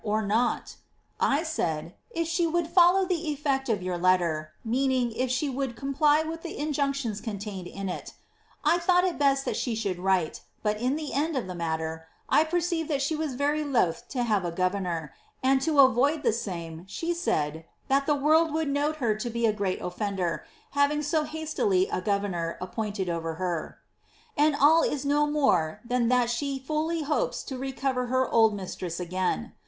35 or not* I said, <if «he would follow the eflect of your letter (meaning if she would comply with the injunctions contained in it) I thought it best that she shoulci write, but in the end of the matter, I perceived that she was very loth to have a governor, and to avoid the same, she said, that the world would note her to be a great oflender, having so hastily a govenior appointed over her,' and all is no more than that she fully hojiei to recover her old mistress again.